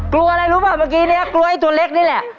กลัวอะไรรู้ป่ะเมื่อกี้เนี่ยกลัวไอ้ตัวเล็กนี่แหละ